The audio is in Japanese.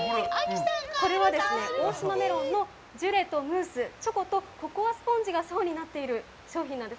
これはですね、大島メロンのジュレとムース、チョコとココアスポンジが層になってる商品なんです。